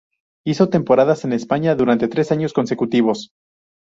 Hizo temporadas en España durante tres años consecutivos.